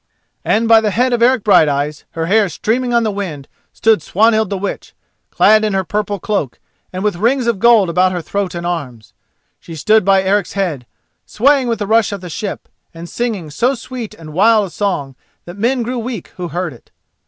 And by the head of Eric Brighteyes, her hair streaming on the wind, stood Swanhild the Witch, clad in her purple cloak, and with rings of gold about her throat and arms. She stood by Eric's head, swaying with the rush of the ship, and singing so sweet and wild a song that men grew weak who heard it.